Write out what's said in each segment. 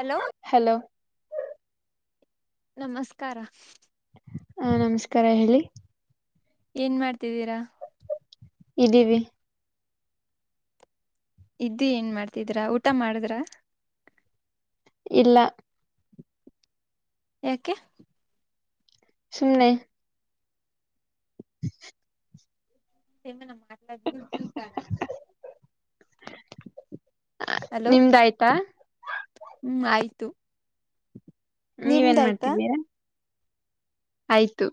Hello hello ನಮಸ್ಕಾರ ಹ ನಮಸ್ಕಾರ ಹೇಳಿ ಏನ್ ಮಾಡ್ತಿದ್ದೀರಾ? ಇದೀವಿ ಇದ್ದು ಏನ್ ಮಾಡ್ತಿದ್ರಾ? ಊಟ ಮಾಡಿದ್ರ? ಇಲ್ಲ ಯಾಕೆ? ಸುಮನೆ [inaudible] ಹಲೋ ನಿಮ್ದ ಆಯ್ತಾ? ಹ್ಮ್ ಆಯ್ತು ನೀವ ಏನ್ ನಿಮ್ದಾಯ್ತಾ ಮಾಡ್ತೀರಾ? ಆಯ್ತು.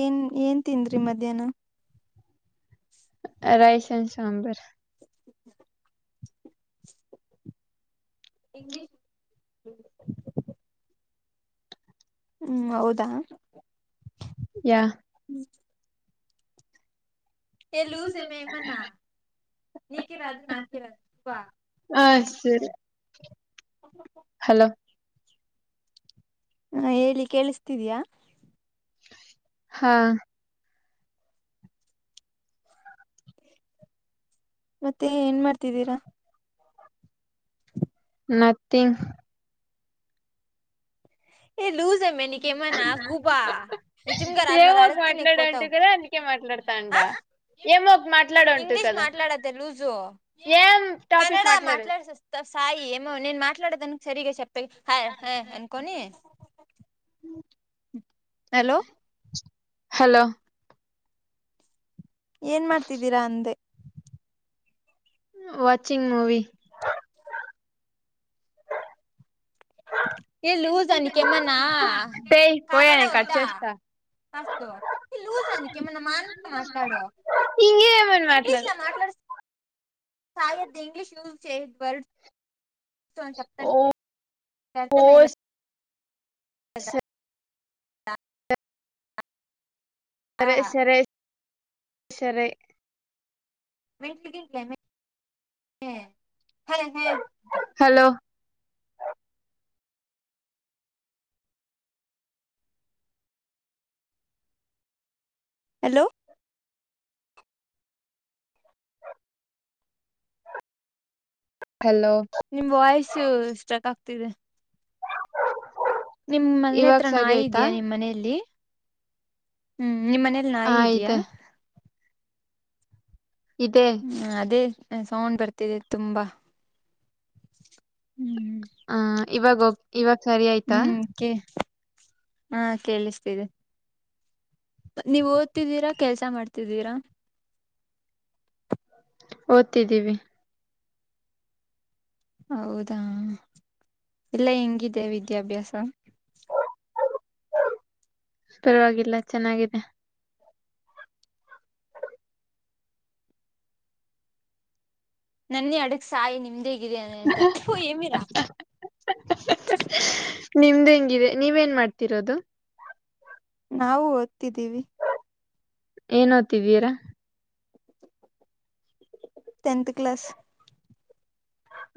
ಏನ್ ಏನ್ ತಿಂದ್ರಿ ಮಧ್ಯಾಹ್ನ. ರೈಸ್ ಅಂಡ್ ಸಾಂಬಾರ್ [unintelligible] ಇಂಗ್ಲಿಷ್ ಹ್ಮ್ ಹೌದಾ ಯಾ ಹ್ ಎ ಲೂಸ್ ಮೇಮನ ನೀಕಿರೋದು ನಾಕಿರೋದು ಬಾ ಹ ಸರಿ ಹಲೋ ಹ ಹೇಳಿ ಕೇಳಿಸತಿದಯಾ ಹಾ ಮತ್ತೆ ಏನ್ ಮಾಡ್ತಿದ್ದೀರಾ ಮತ್ತಂಗ ಏ ಲೂಸ್ ಮೆನಿಕೇಮನ ಗೂಬಾ ನಿಜಿಮ್ಗಾರ ಆದ್ಮೇಲೆ ಏವುೋ ಅಡಗ್ತೀನಿ ಮಾಟ್ನಾಡಟು ಕೋತಾವ್ ಕದಾ ನ ಮಾಟ್ಲಾಡ್ತಾ ಅಂಡಾ ಹ ಎಮೋ ಮಾಟ್ಲಡ ಉಂಟು ಕದಾ ಏಮಟಾಪಕ್ ಮಾಟ್ಡದು ಸಾಯ ಮೋ ನೇನ್ ಮಾತಾಡದ ಸರಿಗ ಚಪ್ಪ ಹ ಹ ಅನ್ಕೋನ ಹ್ಮ ಹಲೋ ಹಲೋ ಏನ್ ಮಾಡ್ತಿದ್ದೀರಾ ಅಂದೆ ವಾಚಿಂಗ್ ಮೂವಿ ಏ ಲೂಸ್ ಅನ ಕೆಮ್ಮನಾ ಕವಾಲಾ ವದ್ದಾ ಅಸ್ ಲೂಸಾಕ್ಕೆಮ್ಮನ್ನ ಮಾನಂತ ಮಾತಾಡೋ ಹಂಗಗೆೇವನ್ ಮಾಟ್ಲಡ ಸಹಾಯದ್ ಇಂಗ್ಲಿಷ್ ಯೂಸ್ ವರ್ಡ್ಸ್ ತತ ಮೇಲೆ ಹ ಹಾ ಸರೆ ಸೆರೆ ಸೆರೆ ಮೆಂಟ್ಲಿ ಗಿಂಲ ಹಲೋ ಹಲೋ ಹಲೋ ನಿಮ್ ವಾಯ್ಸ ಸ್ಟ್ರಕ್ ಆಗ್ತಿದೆ ನಿಮ್ ಮನೆನೆ ಇವಾಗ ಹತ್ರ ಸರಿ ನಾಯಿ ಹೋಯ್ತಾ ಇದ್ಯಾಾ ನಿಮ್ಮ್ ಮನೆಯಲ್ಲಿ ಹ್ಮ ನಿಮ್ಮ್ನ ಹ ನಾಯಿ ಇದ್ಯಾಾ ಇದೆ ಇದೆೇ ಹ್ಮ್ ಅದೇ ಸೌಂಡ್ ಬರ್ತಿದೆ ತುಂಬಾ ಹ್ಮ್ ಹ ಇವಾಗ ಹೋಗ ಇವಾಗ ಸರಿ ಆಯ್ತಾ ಹ್ಮ್ ಹಾ ಕೇಳಿಸ್ತೀರಿ ನೀವು ಓದ್ತಿದ್ದೀರಾ ಕೆಲ್ಸ ಮಾಡ್ತಿದ್ದೀರಾ ಓದ್ತಿದ್ದೀವಿ ಹೌದಾ ಇಲ್ಲ ಹೆಂಗಿದೆ ವಿದ್ಯಾಭ್ಯಾಸ ಪರವಾಗಿಲ್ಲ ಚೆನ್ನಾಗಿದೆ ನನ್ನಿ ಅಡಗ್ ಸಾಯಿ ನಿಮ್ದೇಗಿದ ಅಂತ ಓ ಏಮಿರಾ ಅದು ನಿಮ್ದ ಹೆಂಗಿದೆ ನೀವೇನ್ ಮಾಡ್ತಿರೋದು ನಾವು ಓದ್ತಿದ್ದೀವಿ ಏನ್ತಿವೀರಾ ಟೆಂತ್ ಕ್ಲಾಸ್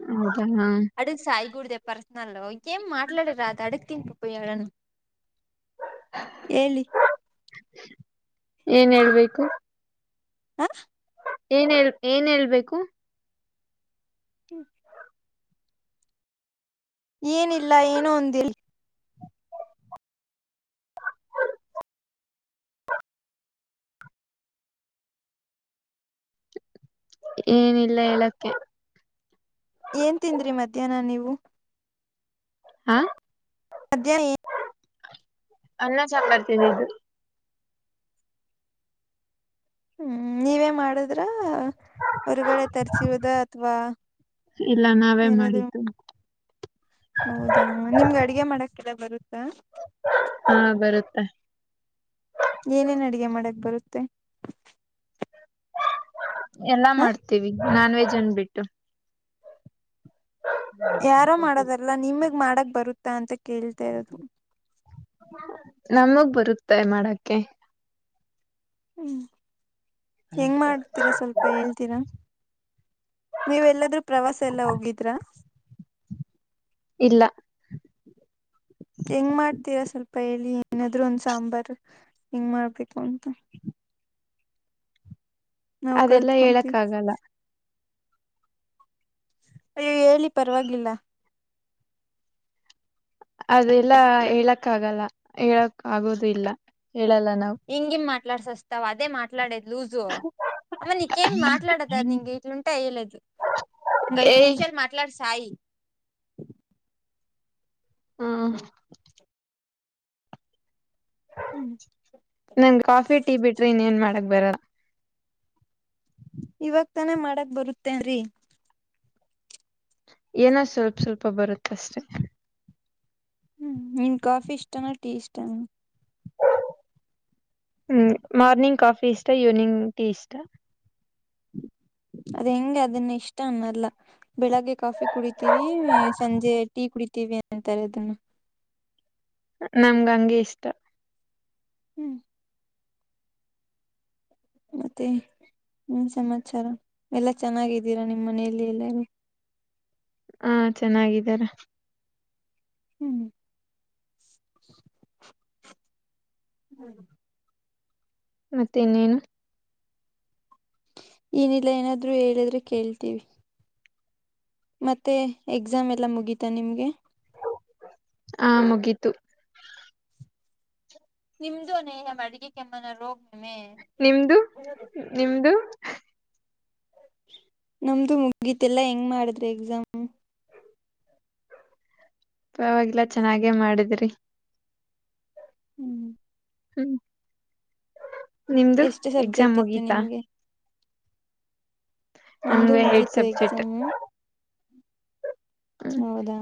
ಹೌದಾ ಹಾ ಅಡುಗೆ ಸಾಯಗೂಡುದ ಪರ್ಸನಲ್ಏಮ ಮಾಡಿ ರ ಅದು ಅಡುಗೆ ತಿಯಡನು ಹೇಳಿ ಏನ್ ಹೇಳ್ಬೇಕು ಹ ಏನ್ ಹಳ್ ಏನ್ ಹೇಳ್ಬೇಕು ಹ್ಮ್ ಏನಿಲ್ಲ ಏನೋ ಒಂದಿಲ್ ಏನಿಲ್ಲ ಹೇಳಕ್ಕೆ ಏನ್ ತಿದ್ರಿ ಮಧ್ಯಾಹ್ನ ನೀವು ಹಾ ಸದ್ಯ ಎ ಅನ್ನ ಸಮರ್ ಚಂದ ಬರ್ತೀನಿ ಇದು ಹ್ಮ್ ನೀವೇ ಮಾಡುದ ಹೊರಗಡೆ ತಸುವುದ ಅಥವಾ ಇಲ್ಲ ನಾವೇ ಏನಾದ್ೂ ಮಾಡಿದ್ದು ನಿಮ್ಗೆ ಅಡ್ಗೆ ಮಾಡಕ್ಕೆಲ್ಲ ಬರುತ್ತಾ ಹಾ ಬರುತ್ತೆ ಏನೇನ್ ಅಡಗೆ ಮಾಡಕ್ ಬರುತ್ತೆ ಎಲ್ಲ ಹ ಮಾಡ್ತೀವಿ ನಾನ್ ವೆಜ್ ಅನಟ್ಟು ಯಾರೋ ಮಾಡದಲ್ಲ ನಿಮಗ್ ಮಾಡಕ್ ಬರುತ್ತಾ ಅಂತ ಕೇಳ್ತಾ ಇರೋದು ನಮಗ್ ಬರುತ್ತೆ ಮಾಡಕ್ಕೆ ಹ್ಮ್ ಹೆಂಗ ಮಾಡ್ತೀರಾ ಸ್ವಲ್ಪ ಹೇಳ್ತೀರಾ ನೀವ್ ಎಲ್ಲಾದ್ರೂ ಪ್ರವಾಸ ಎಲ್ಲಾ ಹೋಗಿದ್ರಾ ಇಲ್ಲ ಹೆಂಗ್ ಮಾಡ್ತೀರಾ ಸ್ವಲ್ಪ ಹೇಳಿ ಏನಾದ್ರು ಒಂದ ಸಾಂಬಾರ್ ಹೆಂಗ್ ಮಾಡ್ಬೇಕು ಅಂತ ನಾವ್ ಅದೆಲ್ಲಾ ಹೇಳಕ್ಕ ಕಲ್ತ್ಕೊಂತೀವಿ ಆಗಲ್ಲ ನೀ ಹೇಳಿ ಪರವಾಗಿಲ್ಲ ಅದೆಲ್ಲ ಹೇಳಕ್ ಆಗಲ್ಲ ಹೇಳಕ್ ಆಗೋದು ಇಲ್ಲ ಹೇಳಲ್ಲ ನಾವು ಹಂಗಿ ಮಾಡ್ಸಸ್ ತವು ಅದೇ ಮಾತಾಡೇದು ಲೂಜು ಅಮ್ಮ ನಿಕೇಮ ಮಾಟ್ಡೋದು ಅದು ನಿಂಗಗೆ ಇಟ್ಲುಂ ಅಯಲದು ಒ ಐದು ಏಯ್ ನಿಮಿಷಾಲ ಮಾತಾಡ್ ಸಾಾಯ ಹ್ಮ ಹ್ಮ್ ನನ್ ಕಾಫಿ ಟೀ ಬಿಟ್ರೆ ಇನ್ಏನ್ ಮಾಡಕ್ ಬರ ಇವಾಗ ತಾನೇ ಮಾಡಕ್ ಬರುತ್ತೇನ್ ಏನೋ ಸ್ವಲ್ಪ ಸ್ವಲ್ಪ ಬರುತ್ತ ಅಷ್ಟೆ ಹ್ಮ್ ನೀನ್ ಕಾಫಿ ಇಷ್ಟಾನ ಟೀ ಇಷ್ಟಾನ ಹ್ಮ್ ಮಾರ್ನಿಂಗ್ ಕಾಫಿ ಇಷ್ಟ ಈವ್ನಿಂಗ್ ಟೀ ಇಷ್ಟ ಅದ ಹೆಂ ಅದನ್ನ ಇಷ್ಟ ಅನ್ನಲ್ಲ ಬೆಳಿಗ್ಗೆ ಕಾಫಿ ಕುಡಿತೀವಿ ಸಂಜೆ ಟೀ ಕುಡಿತ ಟಿವಿ ಅಂತಾರೆ ಅದನ್ನ ನಮ್ಗ ಹಂಂಗಗೆ ಇಷ್ಟ ಹ್ಮ್ ಮತ್ತೆ ನಿ ಸಮಾಚಾರ ಎಲ್ಲಾ ಚೆನ್ನಾಗಿದ್ದೀರಾ ನಿಮ್ಮ್ ಮನೆಯಲ್ಲಿ ಎಲ್ಲಾರೂ ಹ ಚೆನ್ನಾಗಿದಾರ ಹ್ಮಞ ಹ್ಞ ಮತ್ತೆ ಇನ್ನೇನು ಏನಿಲ್ಲ ಏನಾದ್ರು ಹೇಳಿದ್ರೆ ಕೇಳ್ತೀವಿ ಮತ್ತೆ ಎಕ್ಸಾಮ್ ಎಲ್ಲ ಮುಗೀತಾ ನಿಮ್ಗೆ ಆ ಮುಗಿತು ನಿಮ್ದುನೇಹ್ಯ ಅಡಿಗೆ ಕೆಮ್ಮನ ಲೋಗ್ ನಿಮ್ದು ನಿಮ್ದು ನಮ್ದು ಮುಗೀತೆಲ್ಲಾ ಹೆಂಗ್ ಮಾಡಿದ್ರಿ ಎಕ್ಸಾಮ್ ಪರವಾಗಿಲ್ಲಾ ಚೆನ್ನಾಗೆ ಮಾಡದ್ರಿ ಹ್ಮ್ ಹ್ಮ್ ನಿಮ್ದು ಎಷ್ಟು ಎಕ್ಸಾಮ್ ಸಬ್ಜೆಕ್ಟ್ ಇತ್ತು ಮುಗೀತಾ ನಿಮ್ಗೆ ನಂದು ನಮ್ಗೆ ಏಡ್ ಮುಗೀತು ಸಬ್ಜೆಕ್ಟ್ ಎಕ್ಸಾಮು ಹ್ಮ್ ಹೌದಾ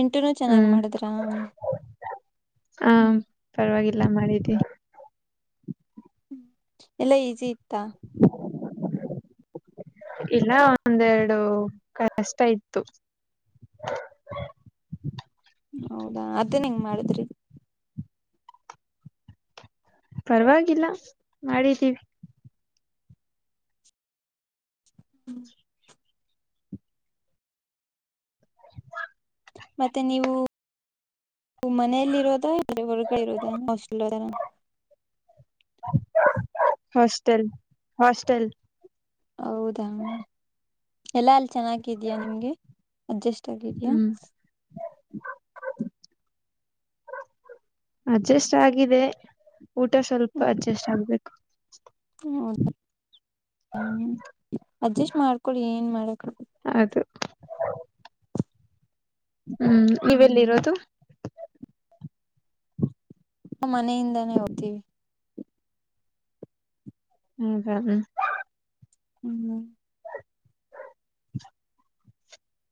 ಇಂಟರ ಚೆನ್ನಾಗ್ ಹ್ಮ್ ಮಾಡಿದ್ರ ಆ ಹ್ಮ್ ಪರವಾಗಿಲ್ಲ ಮಾಡಿದ್ದಿನಿ ಹ್ಮ್ ಎಲ್ಲಾ ಈಸಿ ಇತ್ತಾ ಇಲ್ಲ ಒಂದೆರಡು ಕಷ್ಟ ಇತ್ತು ಹೌದಾ ಅದನ್ ಹೆಂಗ್ ಮಾಡದ್ರಿ ಪರವಾಗಿಲ್ಲ ಮಾಡಿದ್ದೀವಿ ಹ್ಮ್ ಮತ್ತೆ ನೀವು ನೀವು ಮನೇಲಿ ಇರೋದ ಇಲ್ಲಾ ಹೊರಗಡೆ ಇರೋದ ಹಾಸ್ಟೆಲ್ ನಾಗ ಹಾಸ್ಟೆಲ್ ಹಾಸ್ಟೆಲ್ ಹೌದ ಎಲ್ಲ ಅಲ್ಲ ಚೆನ್ನಾಗಿದಯಾ ನಿಮ್ಗೆ ಅಡ್ಜಸ್ಟ್ ಆಗಿದಿಯಾ ಹ್ಮ್ ಅಡ್ಜಸ್ಟ್ ಆಗಿದೆ ಊಟ ಸ್ವಲ್ಪ ಅಡ್ಜಸ್ಟ್ ಆಗ್ಬೇಕು ಹೌದ ಅಡ್ಜಸ್ಟ್ ಮಾಡ್ಕೊಳ್ಳಿ ಏನ್ ಮಾಡಕ್ ಆಗ ಹೌದು ಹ್ಮ್ ನೀವೆಲ್ಲ ಇರೋದು ಹ್ಮ್ ಮನೆಯಿಂದಾನೇ ಹೋಗ್ತೀವಿ ಹೌದಾ ಹ್ಮ್ ಹ್ಮ್ ಹ್ಮ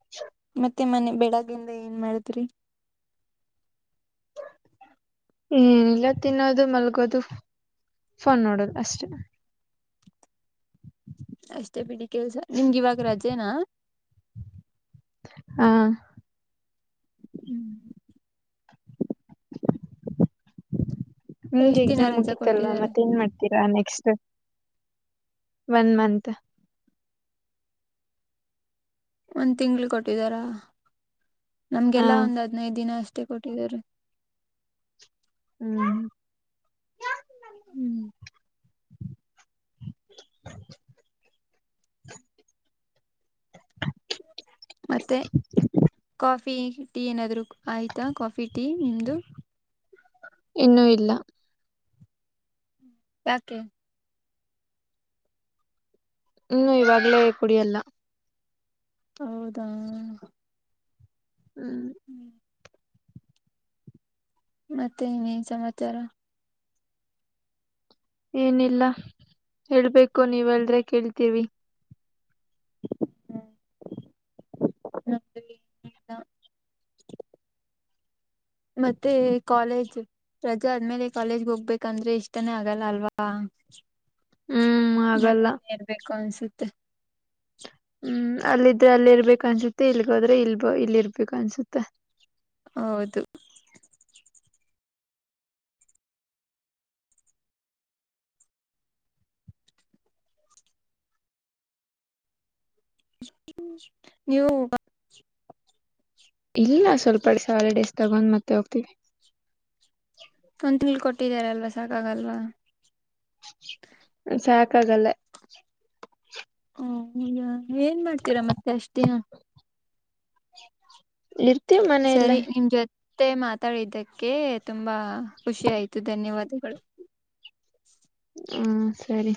[inaudible] ಮತ್ತೆ ಮನೆ ಬೆಳಗಿಂದ ಏನ್ ಮಾಡದ್ರಿ ಏನಿಲ್ಲ ತಿನ್ನದು ಮಲ್ಗೋದು ಫೋನ್ ನೋಡದು ಅಷ್ಟೇ ಅಷ್ಟೇ ಬಿಡಿ ಕೆಲ್ಸ ನಿಮ್ಗ ಇವಾಗ ರಜೆನಾ ಹಾ ಹ್ಮ್ ನಿಮಗ ಎಷ್ಟ್ ದಿನ ಎಕ್ಸಾಮ್ ರಜಾ ಮುಗೀತಲ್ವಾ ಕೊಟ್ಟಿದ್ದಾರೆ ಮತ್ತೆ ಏನ್ ಮಾಡ್ತೀರಾ ನೆಕ್ಸ್ಟ್ ಒನ್ ಮಂತ್ ಒಂದ್ ತಿಂಗಳ್ ಕೊಟ್ಟಿದಾರ ಹ ನಮ್ಗೆಲ್ಲಾ ಒಂದ್ ಹದ್ನೈದ ದಿನ ಅಷ್ಟೇ ಕೊಟ್ಟಿದಾರೆ ಹ್ಮ್ ಹ್ಮ್ [inaudible] ಮತ್ತೆ ಕಾಫಿ ಟೀ ಏನಾದ್ರು ಆಯ್ತಾ ಕಾಫಿ ಟೀ ನಿಮ್ದು ಇನ್ನೂ ಇಲ್ಲ ಯಾಕೆ ಹ್ಮ್ ಇವಾಗ್ಲೇ ಕುಡಿಯಲ್ಲ. ಹೌದಾ ಹ್ಮ್ ಹ್ಞೂ ಮತ್ತೆ ಇನೇನ್ ಸಮಾಚಾರ. ಏನಿಲ್ಲ ಹೇಳ್ಬೇಕು ನೀವ್ ಹೇಳುದ್ರೆ ಕೇಳ್ತೀವಿ. ಹ್ಮ್ ನ ಆತಾ [unintelligible] ಮತ್ತೆ ಕಾಲೇಜ್. ರಜಾ ಆದ್ಮೇಲೆ ಕಾಲೇಜ್ಗೆ ಹೋಗ್ಬೇಕಂದ್ರೆ ಇಷ್ಟಾನೇ ಆಗಲ್ಲ ಅಲ್ವಾ. ಹ್ಮ್ ಆಗಲ್ಲ ಮನೆಯಲ್ಲೆ ಇರ್ಬೇಕು ಅನ್ಸುತ್ತೆ. ಹ್ಮ್ ಅಲ್ಲಿದ್ರೆ ಅಲ್ಲಿ ಇರ್ಬೇಕ ಅನ್ಸುತ್ತೆ ಇಲ್ಗೋದ್ರೆ ಇಲ್ ಇಲ್ಲಿ ಇರ್ಬೇಕ ಅನ್ಸುತ್ತೆ. ಹೌದು ನೀವು ಇಲ್ಲ ಸ್ವಲ್ಪ ಡಿಸ ಹಾಲಿಡೇಸ್ ತಗೊಂಡ್ ಮತ್ತೆ ಹೋಗ್ತೀವಿ. ಒಂದ್ ತಿಂಗ್ಳ್ ಕೊಟ್ಟಿದಾರಲ್ವಾ ಸಾಕಾಗಲ್ವಾ. ಸಾಕಾಗಲ್ಲ. ಹ ಈಗ ಏನ್ ಮಾಡ್ತೀರಾ ಮತ್ತೆ ಅಷ್ಟ ದಿನ. ಇರ್ತೀವಿ ಸರಿ ಮನೆಯಲ್ಲೇ ನಿಮ್ ಜೊತೆ ಮಾತಾಡಿದ್ದಕ್ಕೆ ತುಂಬಾ ಖುಷಿ ಆಯ್ತು ಧನ್ಯವಾದಗಳು. ಹಾ ಸರಿ